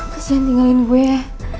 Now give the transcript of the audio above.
makasih yang tinggalin gue